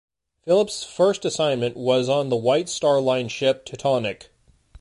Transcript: Phillips's first assignment was on the White Star Line ship "Teutonic".